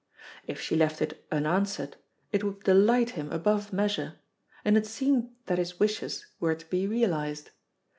If she left it "unanswered" it would delight him above measure, and it seemed that his wishes were to be realised.